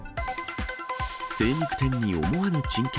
精肉店に思わぬ珍客。